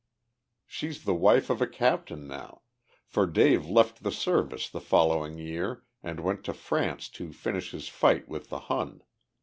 She's the wife of a captain now, for Dave left the Service the following year and went to France to finish his fight with the Hun.